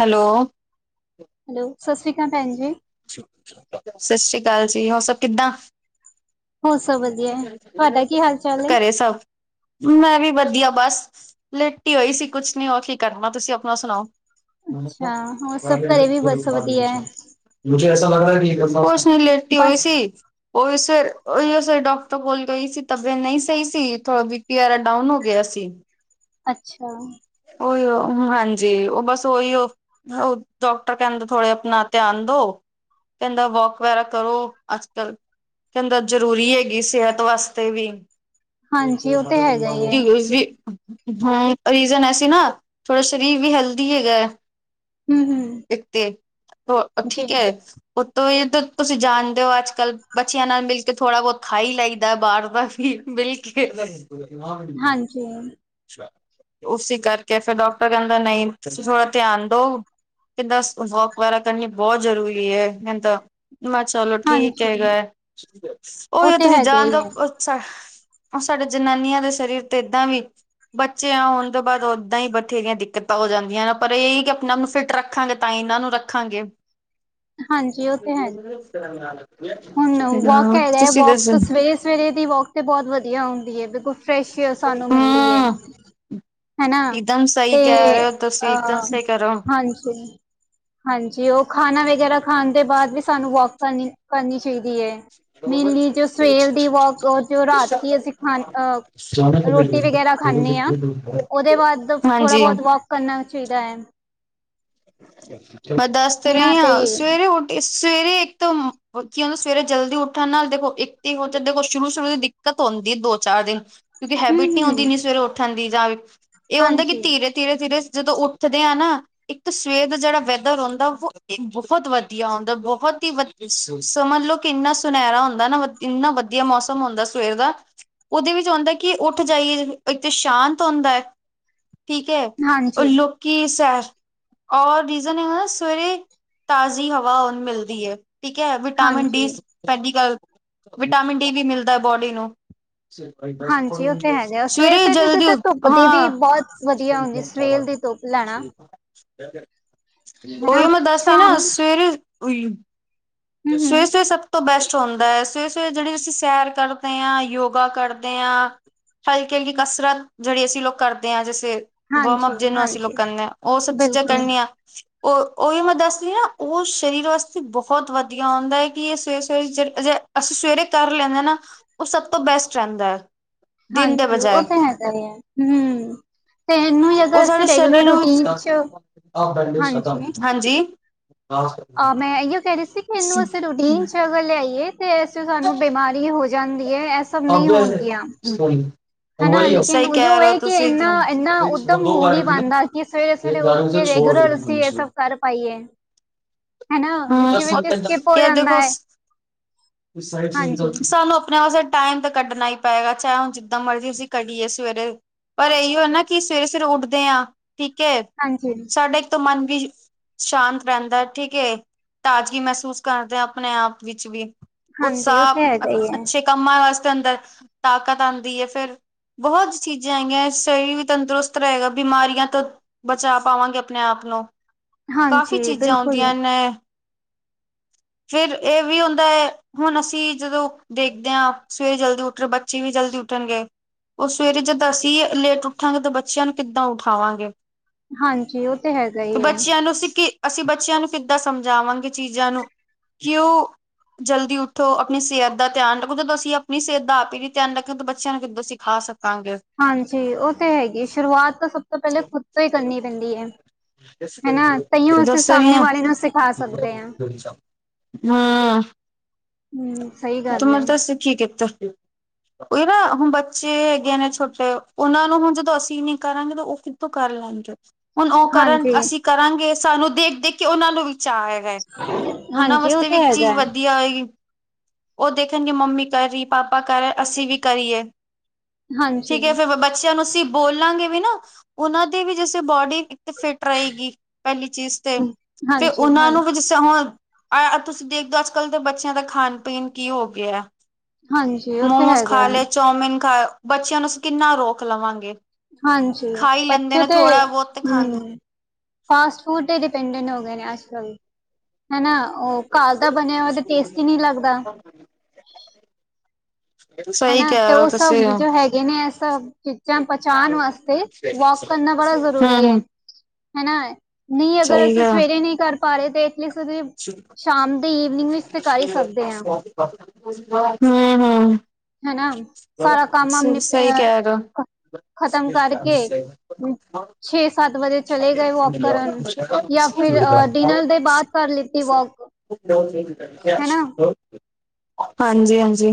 Hello [unintelligible] hello ਸਤਿ ਸ਼੍ਰੀ ਅਕਾਲ ਭੈਣ ਜੀ। ਸਤਿ ਸ੍ਰੀ ਅਕਾਲ ਜੀ ਹੋਰ ਸਭ ਕਿੱਦਾਂ ਹੋਰ ਸਭ ਵਧੀਆ ਹੈ, ਤੁਹਾਡਾ ਕੀ ਹਾਲ ਚਾਲ ਹੈ? ਘਰੇ ਸਭ ਮੈਂ ਵੀ ਵਧੀਆ ਬਸ ਲੇਟੀ ਹੋਈ ਸੀ ਕੁਛ ਨੀ ਹੋਰ ਕੀ ਕਰਨਾ ਤੁਸੀਂ ਆਪਣਾ ਸੁਣਾਓ ਅੱਛਾ, ਹੋਰ ਸਭ ਘਰੇ ਵੀ ਬਸ ਵਧੀਆ ਹੈ, [unintelligible] ਕੁਛ ਨੀ ਲੇਟੀ ਹੋਈ ਬਸ ਸੀ। [unintelligible] ਉਹੀ ਉਸੇ ਉਹੀ ਉਸੇ ਡਾਕਟਰ ਕੋਲ ਗਈ ਸੀ ਤਬੀਅਤ ਨਹੀਂ ਸਹੀ ਸੀ ਥੋੜਾ ਬੀ ਪੀ ਵਗੈਰਾ ਡਾਊਨ ਹੋ ਗਿਆ ਸੀ। ਅੱਛਾ ਉਹੀ ਓ ਹਾਂਜੀ, ਉਹ ਬਸ ਉਹੀ ਉਹ ਡਾਕਟਰ ਕਹਿੰਦਾ ਥੋੜ੍ਹੇ ਜਿਆ ਆਪਣਾ ਧਿਆਨ ਦਿਓ ਕਹਿੰਦਾ ਵੋਕ ਵਗੈਰਾ ਕਰੋ, ਅੱਜ-ਕੱਲ। ਕਹਿੰਦਾ ਜ਼ਰੂਰੀ ਏ। ਇਹ ਸਿਹਤ ਵਾਸਤੇ ਵੀ। ਹਾਂਜੀ ਉਹ ਤੇ ਹੈਗਾ ਹੀ ਹੈ, ਹੂੰ ਰੀਜਨ ਐਸੀ ਨਾ ਥੋੜਾ ਸ਼ਰੀਰ ਵੀ ਹੈਲਦੀ ਹੈਗਾ ਏ। ਹੂੰ ਹੂੰ ਇੱਕ ਤੇ ਤੋਂ ਜੀ, ਠੀਕ ਏ। ਉੱਤੋਂ ਇਹ ਤਾਂ ਤੁਸੀਂ ਜਾਣਦੇ ਹੋ? ਅੱਜ-ਕੱਲ੍ਹ ਬੱਚੀਆਂ ਨਾਲ ਮਿਲ ਕੇ ਥੋੜ੍ਹਾ ਬਹੁਤ ਖਾ ਹੀ ਲਈਦਾ ਬਾਹਰ ਦਾ ਵੀ। ਬਿਲਕੁਲ ਬਿਲਕੁਲ ਜੇ ਉਸੀ ਕਰਕੇ ਫਿਰ ਡਾਕਟਰ ਕੈਂਦਾ ਨਈੰ ਤੁਸੀ ਥੋੜਾ ਧਿਆਨ ਦੋ? ਕੈਂਦਾ ਸ ਵੋਕ ਵਗੈਰਾ ਕਰਨੀ ਬੋਹ ਜ਼ਰੂਰੀ ਐ ਕੈਂਦਾ ਮਾ ਚਲੋ ਠੀਕ ਹਾਂਜੀ, ਹੈਗਾ ਐ, ਉਹ ਓਈ ਓ ਤੇ ਤੁਸੀਂ ਹੈਗਾ ਜਾਨ ਹੀ ਦੋ ਹੈ, ਸਾ ਔ ਸਾਡੇ ਜਨਾਨੀਆਂ ਦੇ ਸਰੀਰ ਤੇ ਏਦਾਂ ਵੀ ਬੱਚੇਆਂ ਹੋਨ ਤੋਂ ਬਾਦ ਓਦਾਂ ਈ ਬਥੇਰੀਆਂ ਦਿੱਕਤਾਂ ਹੋ ਜਾਂਦੀਆਂ ਨੇ, ਪਰ ਏਈ ਕਿ ਆਪਨੇ ਆਪ ਨੂੰ ਫਿਟ ਰੱਖਾਂਗੇ ਤਾਂ ਈ ਏਨਾਂ ਨੂੰ ਰੱਖ ਰੱਖਾਂਗੇ। ਹੁਨ ਵੋਕ ਹੈਗਾ ਏ, ਤੁਸੀਂ ਵੋਕ ਦੱਸੋ ਸਵੇਰੇ-ਸਵੇਰੇ ਦੀ ਵੋਕ ਤੇ ਬੋਤ ਵਦੀਆ ਹੁੰਦੀ ਐ ਬਿਲਕੁਲ ਫਰੈਸ਼ ਸਾਨੂੰ ਮਿਲਦੀ ਏ। ਹਮ ਹੈਨਾ ਇਕਦਮ ਸਹੀ ਤੇ ਕਹਿ ਰਹੇ ਹੋ ਤੁਸੀਂ ਇਕਦਮ ਅ ਸਹੀ ਕਹਿ ਰਹੇ ਹੋ ਹਾਂਜੀ। ਹਾਂਜੀ, ਓ ਖਾਨਾ ਵਗੈਰਾ ਖਾਨ ਦੇ ਬਾਦ ਵੀ ਸਾਨੂੰ ਵੋਕ ਕਰਨੀ-ਕਰਨੀ ਚਾਈਦੀ ਏ। ਮੇਨਲੀ ਜੋ ਸਵੇਰ ਦੀ ਵੋਕ ਅ ਜੋ ਰਾਤੀ ਅਸੀਂ ਖਾਨ ਅ ਰੋਟੀ ਵਗੈਰਾ ਖਾਨੇ ਆ ਓਦੇ ਬਾਦ ਥੋੜਾ ਹਾਂਜੀ ਬੋਤ ਵੋਕ ਕਰਨਾ ਚਾਈਦਾ ਐ। ਮੈਂ ਦੱਸ ਤੇ ਰਈ ਆਂ ਸਵੇਰੇ ਉੱ- ਸਵੇਰੇ ਇੱਕ ਤਾਂ ਕੀ ਹੋ ਜਾਂਦਾ ਸਵੇਰੇ ਜਲਦੀ ਉੱਠਨ ਨਾਲ ਦੇਖੋ, ਇੱਕ-ਇੱਕ ਦੇਖੋ ਸ਼ੁਰੂ-ਸ਼ੁਰੂ ਦੀ ਦਿ- ਕਤ ਹੁੰਦੀ ਐ ਦੋ-ਚਾਰ ਦਿਨ। ਕਿਓਂਕਿ ਹੂੰ ਹੈਬਿਟ ਨੀ ਹੂੰ ਹੁੰਦੀ ਏਨੀ ਸਵੇਰੇ ਉੱਠਣ ਦੀ ਯਾ ਏ ਹੁੰਦਾ ਕਿ ਹਾਂਜੀ ਧੀਰੇ, ਧੀਰੇ, ਧੀਰੇ ਜਦੋਂ ਉੱਠਦੇ ਆ ਨਾ ਇੱਕ ਤਾਂ ਸਵੇਰ ਦਾ ਜੇੜਾ ਵੈਦਰ ਹੁੰਦਾ ਓ ਬੋਹਤ ਵਦੀਆ ਹੁੰਦਾ ਬੋਹਤ ਈ ਵਦੀ ਸਮਝ ਲੋ ਕਿ ਕਿੰਨਾ ਸੁਨੈਰਾ ਹੁੰਦਾ ਨਾ ਵਦੀ ਇੰਨਾ ਵਦੀਆ ਮੌਸਮ ਹੁੰਦਾ ਸਵੇਰ ਦਾ। ਓਦੇ ਵਿੱਚ ਹੁੰਦਾ ਕਿ ਉੱਠ ਜਾਈਏ ਅਤੇ ਸ਼ਾਂਤ ਹੁੰਦਾ ਐ। ਠੀਕ ਐ ਔਰ ਹਾਂਜੀ ਲੋਕੀ ਸੈਰ ਔਰ ਰੀਜ਼ਨ ਹੈਗਾ ਨਾ ਸਵੇਰੇ ਤਾਜ਼ੀ ਹਵਾ ਹੁਨ ਮਿਲਦੀ ਐ। ਠੀਕ ਐ ਵਿਟਾਮਿਨ ਡੀ ਹਾਂਜੀ ਪੈਲੀ ਗੱਲ ਵਿਟਾਮਿਨ ਡੀ ਵੀ ਮਿਲਦਾ ਐ ਬੋਡੀ ਨੂੰ। ਹਾਂਜੀ ਉਹ ਤੇ ਹੈਗਾ ਸਵੇਰ ਸਵੇਰੇ ਸਵੇਰ ਦੀ ਜਲਦੀ ਤਾਂ ਉ, ਧੁੱਪ ਦੀ ਵੀ ਹਾਂ। ਬਹੁਤ ਵਧੀਆ ਹੁੰਦੀ ਸਵੇਰ ਦੀ ਧੁੱਪ ਲੈਣਾ ਹਨਾ ਓਈਓ ਮੈਂ ਦੱਸ ਰਈ ਨਾ ਸ਼ਾਮ ਸਵੇਰੇ ਹੂੰ ਹੂੰ ਸਵੇਰੇ-ਸਵੇਰੇ ਸਬ ਤੋਂ ਬੈਸ ਹੁੰਦਾ ਐ ਸਵੇਰੇ-ਸਵੇਰੇ ਜੇੜੀ ਅਸੀਂ ਸੈਰ ਕਰਦੇ ਆਂ ਯੋਗਾ ਕਰਦੇ ਆਂ ਹਲਕੀ-ਹਲਕੀ ਕਸਰਤ ਜੇੜੀ ਅਸੀਂ ਲੋਕ ਕਰਦੇ ਆਂ ਜੈਸੇ ਵਾਰਮਅਪ ਹਾਂਜੀ ਜੇਨੂੰ ਅਸੀਂ ਲੋਕ ਹਾਂਜੀ ਕੈਨੇ ਆਂ ਓ ਸਬ ਚੀਜ਼ਾਂ ਬਿਲਕੁਲ ਕਰਨੀਆਂ। ਓ ਓਈਓ ਮੈਂ ਦੱਸ ਰਈ ਨਾ, ਓ ਸਰੀਰ ਵਾਸਤੇ ਬੋਹਤ ਵਦ ਵਦੀਆ ਹੁੰਦਾ ਐ ਕਿ ਏ ਸਵੇਰੇ-ਸਵੇਰੇ ਜੇ-ਜੇ ਅਸੀਂ ਸਵੇਰੇ ਕਰ ਲੈਨੇ ਆਂ ਨਾ ਓ ਸਬ ਤੋਂ ਬੈਸਟ ਰੈਂਦਾ ਐ। ਹਾਂਜੀ, ਓ ਤਾਂ ਹੈਗਾ ਈ ਐ, ਹੂੰ। ਤੇ ਏਨੂੰ ਈ ਉਹ ਅਗਰ ਅਸੀਂ ਸਾਡੇ ਸ਼ਨੀ ਰੈਗੂਲਰ ਨੂੰ ਰੂਟੀਨ ਚ, ਹਾਂਜੀ। ਹਾਂਜੀ ਆ ਮੈਂ ਏਈਓ ਕੈ ਰਈ ਸੀ ਕਿ ਏਨੂੰ ਅਸੀਂ ਰੂਟੀਨ ਚ ਲੇ ਆਈਏ ਤੇ ਏਸ ਚ ਸਾਨੂੰ ਬੇਮਾਰੀ ਹੋ ਜਾਂਦੀ ਐ, ਐਸ ਔਬੀਅਸ ਐ, ਹਨਾ ਸੁ ਲੇਕਿਨ ਸਈ ਕੈ ਉਹੀਓ ਰਏ ਓ ਹੈ ਕਿ ਤੁਸੀਂ। ਇੰਨਾ ਇੰਨਾ ਉੱਦਮ ਹੋ ਨੀ ਪਾਉਂਦਾ ਕਿ ਸਵੇਰੇ ਏ ਸਵੇਰੇ ਗਰ ਉੱਠ ਉਸੇ ਕੇ ਛੋਡ ਰੈਗੂਲਰ ਦੇਗੇ ਅਸੀਂ ਇਹ ਬੀਚ ਮੇਂ ਸਭ ਕਰ ਪਾਈਏ ਹਨਾ ਵਿੱਚ ਹਾਂ ਓ ਵਿੱਚ ਸਕਿਪ ਹੋ ਕੀ ਆ ਜਾਂਦਾ ਦੇਖੋ ਹੈ ਹਾਂਜੀ ਸਾਨੂੰ ਆਪਨੇ ਵਾਸੇ ਟਾਈਮ ਤਾਂ ਕੱਢਣਾ ਈ ਪਏਗਾ ਚਾਹੇ ਹੁਨ ਜਿੱਦਾਂ ਮਰਜ਼ੀ ਅਸੀਂ ਕੱਢੀਏ ਸਵੇਰੇ। ਪਰ ਏਈਓ ਨਾ ਕਿ ਸਵੇਰੇ-ਸਵੇਰੇ ਉੱਠਦੇ ਆ ਠੀਕ ਐ। ਹਾਂਜੀ। ਸਾਡਾ ਇੱਕ ਤਾ ਮਨ ਵੀ ਸ਼ਾਂਤ ਰਹਿੰਦਾ ਠੀਕ ਏ, ਤਾਜ਼ਗੀ ਮਹਿਸੂਸ ਕਰਦੇ ਆਪਣੇ ਆਪ ਵਿੱਚ ਵੀ ਹਾਂਜੀ ਉਹ ਤੇ ਉਤਸ਼ਾਹ ਹੈਗਾ ਹੀ ਹੈ ਅੱਛੇ ਕੰਮਾਂ ਵਾਸਤੇ ਅੰਦਰ ਤਾਕਤ ਆਉਂਦੀ ਏ ਫਿਰ ਬਹੁਤ ਚੀਜ਼ਾਂ ਆਈਆ ਸਰੀਰ ਵੀ ਤੰਦਰੁਸਤ ਰਹੇਗਾ ਬਿਮਾਰੀਆਂ ਤੋਂ ਬਚਾ ਪਾਵਾਂਗੇ ਆਪਣੇ ਆਪ ਨੂੰ ਕਾਫ਼ੀ ਹਾਂਜੀ ਚੀਜ਼ਾਂ ਬਿਲਕੁਲ ਆਉਂਦੀਆਂ ਨੇ ਫਿਰ ਇਹ ਵੀ ਹੁੰਦਾ ਏ ਹੁਣ ਅਸੀਂ ਜਦੋਂ ਦੇਖਦੇ ਹਾਂ ਸਵੇਰੇ ਜਲਦੀ ਉੱਠਣ ਬੱਚੇ ਵੀ ਜਲਦੀ ਉੱਠਣਗੇ ਉਹ ਸਵੇਰੇ ਜਦ ਅਸੀਂ ਲੇਟ ਉੱਠਾਂਗੇ ਤਾਂ ਬੱਚਿਆਂ ਨੂੰ ਕਿੱਦਾਂ ਉਠਾਵਾਂਗੇ ਹਾਂਜੀ ਉਹ ਤੇ ਹੈਗਾ ਹੀ ਹੈ ਬੱਚਿਆਂ ਨੂੰ ਅਸੀਂ ਕਿ ਅਸੀਂ ਬੱਚਿਆਂ ਨੂੰ ਕਿੱਦਾਂ ਸਮਝਾਵਾਂਗੇ ਚੀਜ਼ ਕਿਉ ਜਲਦੀ ਉੱਠੋ ਆਪਨੀ ਸਿਹਤ ਦਾ ਧਿਆਨ ਰੱਖੋ ਜਦੋਂ ਅਸੀਂ ਆਪਨੀ ਸਿਹਤ ਦਾ ਆਪ ਹੀ ਨਹੀਂ ਧਿਆਨ ਰੱਖੀ ਤਾਂ ਬੱਚਿਆਂ ਨੂੰ ਕਿੱਦਾਂ ਅਸੀਂ ਸਿਖਾ ਸਕਾਂਗੇ ਤੰਗੇ ਹਾਂਜੀ ਉਹ ਤਾਂ ਹੈਗੀ ਸ਼ੁਰੂਆਤ ਤਾਂ ਸਭ ਤੋਂ ਪਹਿਲੇ ਖੁਦ ਤੋਂ ਈ ਕਰਨੀ ਪੈਂਦੀ ਏ ਹਹਨਾ, ਤਈਓ ਅਸੀਂ ਦੱਸ ਰਹੀ ਸਾਹਮਣੇ ਆ ਵਾਲੇ ਨੂੰ ਸਿਖਾ ਸਕਦੇ ਆ ਹੰ ਸਹੀ ਤ ਗੱਲ ਮੈਂ ਹੈ। ਤਾਂ ਸਿੱਖੀ ਕਿਥੋ ਔਰਾ ਨਾ ਹੁਣ ਬੱਚੇ ਹੈਗੇ ਆ ਨੇ ਛੋਟੇ ਉਹਨਾਂ ਨੂੰ ਹਨ ਜਦੋਂ ਅਸੀਂ ਨਹੀਂ ਕਰਾਂਗੇ ਤਾਂ ਉਹ ਕਿੱਥੋ ਕਰ ਲੈਣਗੇ ਹੁਣ ਉਹ ਕਰਨ ਹਾਂਜੀ ਅਸੀਂ ਕਰਾਂਗੇ ਸਾਨੂੰ ਦੇਖ ਦੇਖ ਕੇ ਉਹਨਾਂ ਨੂੰ ਵੀ ਚਾਅ ਹੈਗਾ ਏ ਉਹਨਾਂ ਹਾਂਜੀ ਉਹ ਵਾਸਤੇ ਵੀ ਤੇ ਇੱਕ ਚੀਜ਼ ਹੈਗਾ ਹੈ। ਵਦੀਆ ਹੋਏਗੀ ਉਹ ਦੇਖਨਗੇ ਮੰਮੀ ਕਰ ਰਹੀ, ਪਾਪਾ ਕਰ ਰਹੇ ਅਸੀਂ ਵੀ ਕਰੀਏ। ਹਾਂਜੀ ਠੀਕ ਹੈ, ਫੇਰ ਬੱਚਿਆਂ ਨੂੰ ਅਸੀਂ ਬੋਲਾਂਗੇ ਵੀ ਨਾ ਉਹਨਾਂ ਦੇ ਵੀ ਜੈਸੀ ਬੋਡੀ ਤੇ ਫਿੱਟ ਰਹੇਗੀ ਪਹਿਲੀ ਚੀਜ਼ ਤੇ ਫਿਰ ਹਾਂਜੀ ਉਹਨਾਂ ਹਾਂਜੀ ਨੂੰ ਵੀ ਤੇ ਹੁਨ ਤੁਸੀਂ ਦੇਖਦੇ ਹੋ ਅੱਜ ਕੱਲ ਦੇ ਬੱਚਿਆਂ ਦਾ ਖਾਨ ਪੀਨ ਕੀ ਹੋ ਗਿਆ ਹਾਂਜੀ ਉਹ ਤੇ ਮੋਮੋਸ ਹੈਗਾ ਖਾ ਲਏ, ਚੌਮਿਨ ਖਾ ਬੱਚਿਆਂ ਨੂੰ ਅਸੀ ਕਿੰਨਾ ਰੋਕ ਲਵਾਂਗੇ ਹਾਂਜੀ, ਖਾ ਹੀ ਲੈਂਦੇ ਬੱਚੇ ਨੇ ਤੇ ਥੋੜਾ ਬਹੁਤ ਤੇ ਖਾਂਦੇ ਹੰ ਫਾਸਟ ਫੂਡ ਤੇ ਡਿਪੈਂਡੈਂਨ ਹੋ ਗਏ ਨੇ ਅੱਜ ਕੱਲ ਹੈਨਾ। ਉਹ ਘਰ ਦਾ ਬਨਿਆ ਹੋਇਆ ਤੇ ਟੇਸਟੀ ਨਹੀਂ ਲੱਗਦਾ। ਸਹੀ ਹੈਨਾ ਕਹਿ ਤੇ ਰਹੇ ਹੋ ਉਹ ਸਬ ਤੁਸੀਂ ਹੂੰ ਜੋ ਹੈਗੇ ਨੇ ਇਹ ਸਬ ਚੀਜ਼ਾਂ ਪਚਾਨ ਵਾਸਤੇ ਵੋਕ ਕਰਨਾ ਬੜਾ ਜ਼ਰੂਰੀ ਏ ਹੂੰ ਹੈਨਾ, ਨਹੀਂ ਅਗਰ ਸਹੀ ਅਸੀਂ ਕਿਹਾ ਸਵੇਰੇ ਨਹੀਂ ਕਰ ਪਾ ਰਹੇ ਤੇ ਐਟਲੀਸਟ ਅਸੀ ਸਕਦੇ ਹਾਂ ਹੰ ਹੰ ਹਨਾ ਸਾਰਾ ਕੰਮ ਹਮ ਨਿਪ- ਅਹ, ਸ ਖ- ਖਤਮ ਕਰਕੇ ਸਹੀ ਵਜੇ ਕਹਿਗਾ- ਚਲੇ ਗਏ ਕਰਨ ਜਾਂ ਫਿਰ [unintelligible] ਡਿਨਰ ਦੇ ਬਾਅਦ ਕਰ ਲਿੱਤੀ [unintelligible] [unintelligible] ਹੈਨਾ ਹਾਂਜੀ-ਹਾਂਜੀ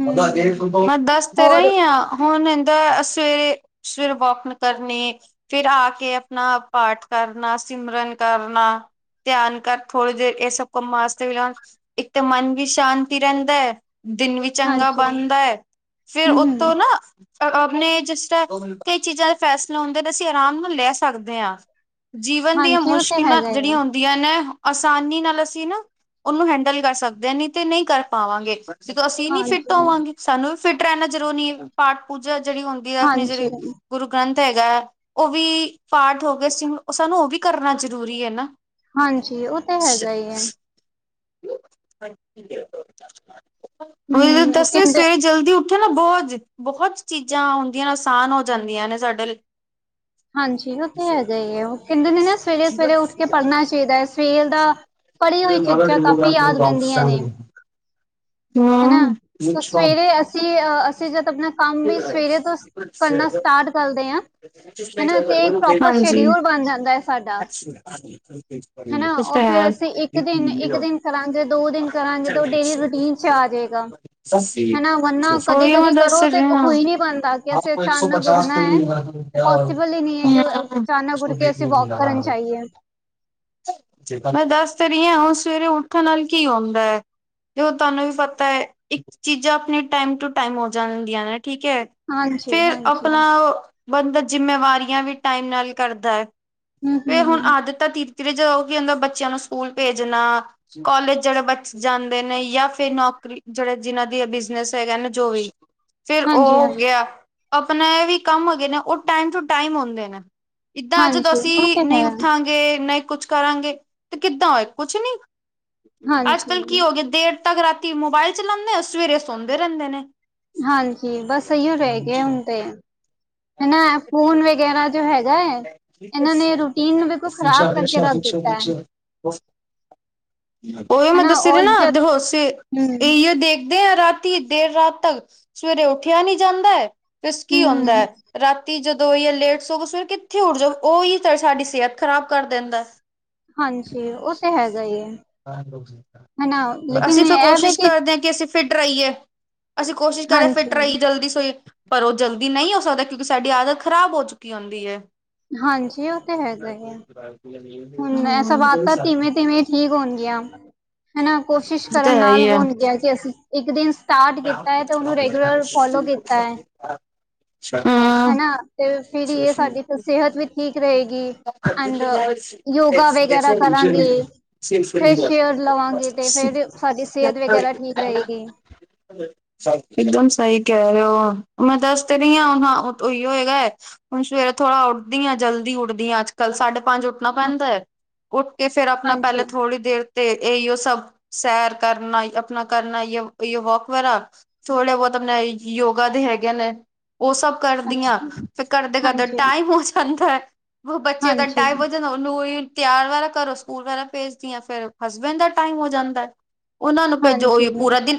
ਹਮ ਹਾੰ ਦੱਸ ਤੇ ਹੋਰ ਰਹੀ ਆ। ਹੁਣ ਹਿੰਦਾ ਸਵੇਰੇ, ਸਵੇਰੇ ਵੋਕ ਮੈ ਕਰਨੀ ਫੇਰ ਆ ਕੇ ਨਾ ਪਾਠ ਕਰਨਾ, ਸਿਮਰਨ ਕਰਨਾ ਧਿਆਨ ਕਰ ਥੋੜ੍ਹੀ ਦੇਰ ਇਹ ਸਬ ਕੰਮਾਂ ਆਸਤੇ ਵੀ ਲਾ ਇੱਕ ਤਾਂ ਮਨ ਵੀ ਸ਼ਾਂਤੀ ਰਹਿੰਦਾ ਹੈ, ਦਿਨ ਵਿੱਚ ਚੰਗਾ ਹਾਂਜੀ ਬਣਦਾ ਐ ਫੇਰ ਹਮ ਹਮ ਉੱਤੋਂ ਨਾ ਓਰ ਉਹ ਅਪਨੇ ਜਿਸ ਤਰ੍ਹਾਂ ਕਈ ਚੀਜ਼ਾਂ ਦੇ ਫੈਸਲਾ ਹੁੰਦੇ ਨੇ ਅਸੀਂ ਆਰਾਮ ਨਾਲ ਲੈ ਸਕਦੇ ਆੰ ਜੀਵਨ ਦੀਆਂ ਹਾਂਜੀ ਉਹ ਤੇ ਮੁਸ਼ਕਿਲਾਂ ਹੈਗਾ ਹੀ ਆ ਜਿਹੜੀਆਂ ਹੂਨਦ ਯਾ ਨਾ ਆਸਾਨੀ ਨਾਲ ਅਸੀਂ ਨਾ ਉਹਨੂੰ ਹੈਂਡਲ ਕਰ ਸਕਦੇ ਹਾਂ ਨੀ ਤੇ ਕਰ ਪਾਵਾਂਗੇ ਜਦੋ ਅਸੀਂ ਨੀ ਫਿੱਟ ਹਾਂਜੀ ਹੋਵਾਂਗੇ, ਸਾਨੂੰ ਵੀ ਫਿੱਟ ਰਹਿਨਾ ਜਰੂਰੀ ਹੈ ਪਾਠ- ਪੂਜਾ ਜਿਹੜੀ ਹੁੰਦੀ ਦਿ ਆਖਨੇ ਜੇੜੇ ਹਾਂਜੀ ਗੁਰੂ ਗ੍ਰੰਥ ਹੈਗਾ ਉਹ ਵੀ ਪਾਠ ਹੋ ਗਏ ਸੁਰੂ, ਸਾਨੂੰ ਉਹ ਵੀ ਕਰਨਾ ਜ਼ਰੂਰੀ ਐ ਨਾ। ਹਾਂਜੀ, ਉਹ ਤਾਂ ਹੈਗਾ ਈ ਐ! ਵੀ ਹਮ ਉਹ ਦੱਸੇ ਕਹਿੰਦੇ ਸਵੇਰੇ ਜਲਦੀ ਉ ਉੱਥੇ ਨਾ ਬੋਝ, ਬਹੁਤ ਚੀਜ਼ਾਂ ਹੁੰਦੀਆਂ ਨੇ ਆਸਾਨ ਹੋ ਜਾਂਦੀਆ ਨੇ ਸਾਡੇ ਲਈ। ਹਾਂਜੀ, ਉਹ ਤੇ ਹੈਗਾ ਈ ਐ, ਓ ਕਹਿੰਦੇ ਨੇ ਨਾ ਸਵੇਰੇ- ਸਵੇਰੇ ਉੱਠ ਕੇ ਪੜ੍ਹਨਾ ਚਾਹੀਦਾ ਏ, ਸਵੇਰ ਦਾ ਪੜ੍ਹੀ ਹੋਈ ਚੀਂਜਾ ਕਾਫ਼ੀ ਯਾਦ ਰਹਿੰਦੀਆਂ ਨੇ! ਹਨਾ, ਹਮ ਸਵੇਰੇ ਅਸੀਂ ਅ, ਅਸੀਂ ਜਦ ਆਪਣਾ ਕੰਮ ਵੀ ਸਵੇਰੇ ਤੋਂ ਕਰਨਾ ਸਟਾਰਟ ਕਰਦੇ ਆਂ, ਹਨਾ, ਤੇ ਇਕ ਪ੍ਰੋਪਰ ਹਾਂਜੀ ਸ਼ਡਿਊਲ ਬਣ ਜਾਂਦਾ ਐ ਸਾਡਾ! [inaudible] ਹਨਾ, ਓ ਤਾਂ ਹੈ ਫੇਰ ਅਸੀਂ ਇੱਕ-ਦਿਨ, ਇੱਕ-ਦਿਨ ਕਰਾਂਗੇ, ਦੋ ਦਿਨ ਕਰਾਂਗੇ, ਤੇ ਓ ਡੇਲੀ ਰੂਟੀਨ 'ਚ ਆ ਜਾਏਗਾ, ਹਨਾ, ਵੰਨਾ ਉਹੀ ਮੈਂ ਕਦੀ-ਕਦੀ ਦੱਸ ਕਰੋ ਰਹੀ ਤੇ ਹਾਂ ਹੋਈ ਨਹੀ ਪਾਂਦਾ ਕਿ ਅਸੀਂ ਅਚਾਨਕ ਉੱਠਣਾ ਐ, ਪੋਸੀਬਲ ਈ ਨਹੀ ਐ ਕਿ ਉਹ ਅਚਾਨਕ ਉੱਠ ਕੇ ਅਸੀ ਵੋਕ ਕਰਨ ਜਾਈਏ। ਮੈਂ ਦੱਸ ਤਾਂ ਰਈਆਂ ਸਵੇਰੇ ਉੱਠਣ ਨਾਲ ਕੀ ਹੋਂਦਾ! ਤੇ ਓ ਤੁਹਾਨੂੰ ਵੀ ਪਤਾ ਐ, ਇੱਕ ਚੀਜ਼ਾਂ ਆਪਣੇ ਟਾਈਮ ਟੂ ਟਾਈਮ ਹੋ ਜਾਂਣਦੀਆਂ ਨੇ ਠੀਕ ਐ। ਫੇਰ ਹਾਂਜੀ-ਹਾਂਜੀ, ਆਪਣਾ ਓ ਬੰਦਾ ਜਿੰਮੇਵਾਰੀਆਂ ਵੀ ਟਾਈਮ ਨਾਲ ਕਰਦਾ ਐ, ਤੇ ਹੁਣ ਹੂੰ-ਹੂੰ, ਆਦਤ ਫੇਰ ਕਿਰਤ ਤੇ ਜਾਓਗੇ, ਆਂਦੇ ਬੱਚਿਆਂ ਨੂੰ ਸਕੂਲ ਭੇਜਣਾ! ਕੋਲਜ ਜਿਹੜੇ ਬੱਚੇ ਜਾਂਦੇ ਨੇ, ਯਾਂ ਫੇਰ ਨੌਕਰੀ, ਜਿਹੜੇ ਜਿਹਨਾਂ ਦੀ ਬਿਜਨਸ ਹੈਗਾ ਆ ਨਾ, ਜੋ ਵੀ ਫਿਰ ਉਹ ਹੋ ਹਾਂਜੀ-ਹਾਂਜੀ। ਗਿਆ ਆਪਣਾ, ਇਹਵੀ ਕੰਮ ਹੈਗੇ ਨੇ, ਉਹ ਟਾਈਮ ਟੂ ਟਾਈਮ ਹੁੰਦੇ ਨੇ! ਇੱਦਾਂ ਜਦੋਂ ਹਾਂਜੀ, ਹਾਂਜੀ ਹਾਂਜੀ ਉਹ ਤੇ ਅਸੀਂ ਨਹੀਂ ਹੈ, ਉੱਠਾਂਗੇ, ਨਹੀਂ ਕੁਛ ਕਰਾਂਗੇ ਤੇ ਕਿੱਦਾਂ ਹੋਏ ਕੁਛ ਨੀ। ਹਾਂਜੀ। ਅੱਜ-ਕੱਲ੍ਹ ਕੀ ਹੋ ਗਿਆ, ਦੇਰ ਤੱਕ ਰਾਤੀ ਮੋਬਾਇਲ ਚਲਾਉਣੇ ਆ, ਸਵੇਰੇ ਸੌਂਦੇ ਰਹਿੰਦੇ ਨੇ! ਹਾਂਜੀ, ਬਸ ਇਹੀਓ ਰਹਿ ਗਿਆ ਹੁਣ ਤੇ! ਹਨਾ, ਫ਼ੋਨ ਵਗੈਰਾ 'ਚ ਹੈਗਾ ਐ। ਏਨਾਂ ਨੇ ਰੂਟੀਨ ਨੂੰ ਬਿਲਕੁਲ ਖ਼ਰਾਬ ਕਰਕੇ ਰੱਖ ਦਿੱਤਾ ਐ! ੳਹੀਓ ਮੈਂ ਦੱਸ ਰੀ ਨਾ, ਜਦ ਦੇਖੋ ਅਸੀ ਹੂੰ-ਹੂੰ, ਇਹੳ ਦੇਖਦੇ ਆ ਰਾਤ ਇਤਨੀ ਦੇਰ ਰਾਤ ਤੱਕ, ਸਵੇਰੇ ਉੱਠਿਆ ਨਹੀ ਜਾਂਦਾ, ਦਸ ਕੀ ਹੁੰਦਾ ਐ! ਰਾਤੀ ਜਦੋਂ ਜੇ ਲੇਟ ਸੋਂਵੋਂ, ਸਵੇਰ ਕਿੱਥੇ ਉੱਠ ਜਾਊ, ਉਹੀ ਸਾਡੀ ਸਿਹਤ ਖ਼ਰਾਬ ਕਰ ਦਿੰਦਾ! ਹਾਂਜੀ [inaudible] ਉਹ ਤੇ ਹੈਗਾ ਹੀ ਹੈ। ਹਨਾ ਲੇਕਿਨ ਅਸੀਂ ਬਹੁਤ ਇਹ ਵੀ ਕੋਸ਼ਿਸ਼ ਕਰਦੇ ਆਂ ਕਿ ਅਸੀਂ ਫਿੱਟ ਰਈਏ, ਅਸੀਂ ਕੋਸ਼ਿਸ਼ ਕਰੇ ਹਾਂਜੀ, ਫਿੱਟ ਰਈਏ, ਜਲਦੀ ਸੋਈਏ, ਪਰ ਓ ਜਲਦੀ ਨਹੀਂ ਹੋ ਸਕਦਾ! ਕਿਉਂਕਿ ਸਾਡੀ ਆਦਤ ਖਰਾਬ ਹੋ ਚੁੱਕੀ ਹੁੰਦੀ ਐ। ਹਾਂਜੀ, ਉਹ ਤਾਂ ਹੈਗਾ ਈ ਐ, ਹੁਣ ਮੈਂ ਸਵਾ ਤਾ ਤਿਵੇਂ-ਤਿਵੇਂ ਠੀਕ ਹੋਣਗੀਆਂ ਹਨਾ, ਕੋਸ਼ਿਸ਼ ਕਰਨ ਤਾਂ ਹੈ ਨਾਲ ਹੀ ਆ ਹੋਣਗੀਆਂ ਕਿ ਅਸੀਂ ਇੱਕ ਦਿਨ ਸਟਾਰਟ ਕੀਤਾ ਐ, ਤੇ ਉਹਨੂੰ ਰੈਗੂਲਰ ਫੋਲੋ ਕੀਤਾ ਐ। ਤੇ ਫਿਰ ਇਹ [unintelligible] ਸਾਡੀ ਸਿਹਤ ਵੀ ਠੀਕ ਰਹੇਗੀ ਐਂਡ ਸ ਯੋਗਾ ਵਗੈਰਾ ਕਰਾਂਗੇ ਫਰੈਸ਼ ਏਅਰ [unintelligible] ਲਵਾਂਗੇ ਤੇ ਫਿਰ ਸਾਡੀ ਸਿਹਤ ਵਗੈਰਾ ਠੀਕ ਰਹੇਗੀ [unintelligible] ਇਕਦਮ ਸਹੀ ਕਹਿ ਰਹੇ ਓ, ਮੈਂ ਦੱਸ ਤੇ ਰਹੀ ਹਾਂ ਹੁਣ ਉਹੀਉ ਹੈਗਾ ਐ। ਹੁਣ ਸਵੇਰੇ ਥੋੜ੍ਹਾ ਉੱਠਦੀ ਆਂ, ਜਲਦੀ ਉੱਠਦੀ ਆ ਅੱਜ ਕੱਲ ਸਾਢੇ ਪੰਜ ਉੱਠਣਾ ਪੈਂਦਾ ਐ, ਉੱਠ ਕੇ ਫੇਰ ਆਪਣਾ ਹਾਂਜੀ ਪਹਿਲੇ ਥੋੜ੍ਹੀ ਦੇਰ ਤੇ ਇਹੀਓ ਸਭ ਸੈਰ ਕਰਨਾ, ਆਪਣਾ ਕਰਨਾ ਇਹੀਓ, ਇਹੀਓ ਵਾਕ ਕਰਾ ਥੋੜ੍ਹੇ ਬਹੁਤ ਆਪਣੇ ਯੋਗਾ ਦੇ ਹੈਗੇ ਨੇ, ਉਹ ਸਭ ਕਰਦੀਆਂ ਅੱਛਾ ਫੇਰ ਕਰਦੇ-ਕਰਦੇ ਹਾਂਜੀ ਟਾਈਮ ਹੋ ਜਾਂਦਾ ਐ। ਉਹ ਬੱਚੇ ਦਾ ਹਾਂਜੀ ਟਾਈ ਵੱਜੇ [unintelligible] ਤਿਆਰ ਵਾਲਾ ਕਰੋ, ਸਕੂਲ ਵਗੈਰਾ ਭੇਜਦੀ ਆਂ, ਫੇਰ ਹਸਬੈਂਡ ਦਾ ਟਾਈਮ ਹੋ ਜਾਂਦੈ। ਓਨਾਂ ਨੂੰ ਭੇਜੋ ਓਇਓ ਹਾਂਜੀ ਪੂਰਾ ਦਿਨ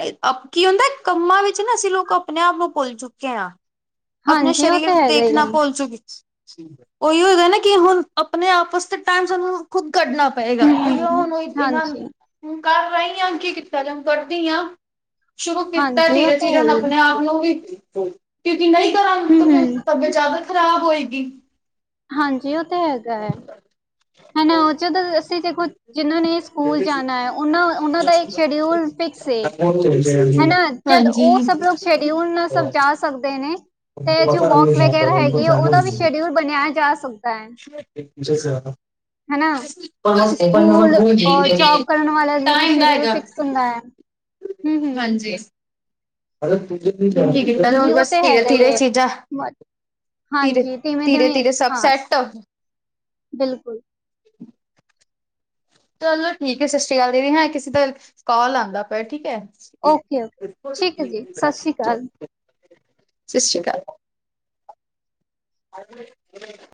ਕੀ ਹੁੰਦਾ ਕੰਮਾਂ ਵਿੱਚ ਨਾ ਅਸੀ ਲੋਕ ਅਪਨੇ ਆਪ ਨੂੰ ਭੁੱਲ ਚੁੱਕੇ ਆਂ। ਅਪਣੇ ਹਾਂਜੀ ਉਹ ਸ਼ਰੀਰ ਤੇ ਹੈਗਾ ਦੇਖ ਹੀ ਹੈ ਨਾ ਭੁੱਲ ਚੁੱਕ ਓਇਓ ਹੋਗਾ ਨਾ ਕਿ ਹੁਣ ਅਪਨੇ ਆਪ ਆਸਤੇ ਟਾਈਮ ਸਾਨੂੰ ਖੁਦ ਕੱਢਣ ਪਏਗਾ ਓਈਓ ਹਮ ਹੁਣ, ਈਂਨਾਂ ਹਾਂਜੀ ਨੂੰ ਕਰ ਵਾਈ ਆਂ, ਕੀ ਕੀਤਾ ਜਾਏ ਕਦੀ ਈਆ। ਸ਼ੁਰੂ ਕੀਤਾ ਹਾਂਜੀ ਨੀ ਉਹ ਹਜੇ ਤੇ ਹੈ ਹੀ ਅਪਨੇ ਅਪ ਨੂੰ ਵੀ ਕਿਉਂਕਿ ਨਈਂ ਤਰਾਂ ਦੀ ਤਾਂ ਹਮ ਫੇਰ ਹਮ ਤਬੀਅਤ ਜਾਦਾ ਖਰਾਬ ਹੋਏਗੀ। ਹਾਂਜੀ, ਓ ਤਾਂ ਹੈਗਾ ਹੈ ਹੁਨ [unintelligible] ਜਦੋਂ ਅਸੀਂ ਦੇਖੋ ਜਿਨ੍ਹਾਂ ਨੇ ਸਕੂਲ ਜਾਣਾ ਏ, ਓਨਾਂ ਓਨਾਂ ਦਾ ਇੱਕ ਸ਼ਡਿਊਲ ਫਿਕਸ ਏ। ਹੈਨਾ ਜਦ ਹਾਂਜੀ। ਓ ਸਭ ਲੋਕ ਸ਼ਡਿਊਲ ਨਾਲ ਸਬ ਜਾ ਸਕਦੇ ਨੇ ਤੇ ਜੋ ਵੋਕ ਵਗੈਰਾ ਹੈਗੀਏ ਓਦਾ ਵੀ ਸ਼ਡਿਊਲ ਬਣਾਇਆ ਜਾ ਸਕਦਾ ਐ। [unintelligible] ਹੈਨਾ, ਸਕੂਲ ਔਰ ਜੌਬ ਕਰਨ ਵਾਲਾ ਜਿਵੇਂ ਟਾਈਮ ਦਾ ਸ਼ੇਡਿਊਲ ਹੈਗਾ ਫਿਕਸ ਹੁੰਦੈ, ਹੂੰ। ਹੂੰ ਹਾਂਜੀ। ਕੀ ਕੀਤਾ ਹੂੰ ਨਹੀਂ ਹੁਣ ਉਹ ਬਸ ਤੇ ਧੀਰੇ ਹੈਗਾ ਹੀ ਧੀਰੇ ਹੈ ਚੀਜਾਂ ਬਟ ਧੀਰ ਹਾਂਜੀ ਧੀਮੇ ਧੀਮੇ ਧੀਰੇ-ਧੀਰੇ ਸਭ ਹਾਂ ਸੈਟ ਬਿਲਕੁਲ। ਚਲੋ ਠੀਕੈ, ਸਤਿ ਸ੍ਰੀ ਅਕਾਲ ਦੀਦੀ ਹੈਂ, ਕਿਸੇ ਦਾ ਕਾਲ ਆਂਦਾ ਪਿਆ ਠੀਕੈ। ਓਕੇ-ਓਕੇ ਠੀਕੈ ਜੀ, ਸਤਿ ਸ਼੍ਰੀ ਅਕਾਲ। ਸਤਿ ਸ਼੍ਰੀ ਅਕਾਲ। [inaudible]